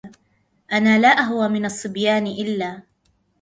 أنا لا أهوى من الصبيان إلا